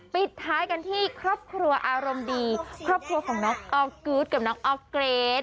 ปิดท้ายกันที่ครอบครัวอารมณ์ดีครอบครัวของน้องออกูธกับน้องออกเกรด